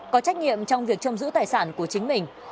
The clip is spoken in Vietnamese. có trách nhiệm trong việc trông giữ tài sản của chính mình